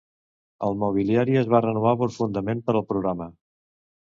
El mobiliari es va renovar profundament per al programa.